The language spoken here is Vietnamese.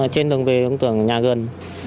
trên đường về cũng tưởng nhà gần